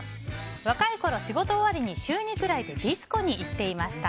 若いころ、仕事終わりに週２くらいでディスコに行っていました。